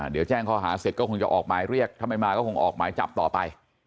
เดี๋ยวแจ้งข้อหาเสร็จก็คงจะออกหมายเรียกถ้าไม่มาก็คงออกหมายจับต่อไป